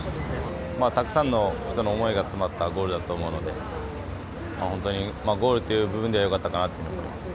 たくさんの人の思いが詰まったゴールだと思うのでゴールという部分ではよかったかなと思います。